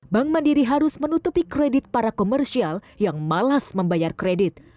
bank mandiri harus menutupi kredit para komersial yang malas membayar kredit